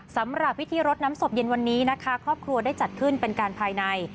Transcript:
สำหรับพิธีรดน้ำศพเย็นวันนี้นะคะครอบครัวได้จัดขึ้นเป็นการภายใน